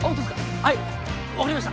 はいわかりました